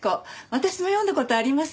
私も読んだ事あります。